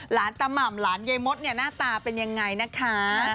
ตาม่ำหลานยายมดเนี่ยหน้าตาเป็นยังไงนะคะ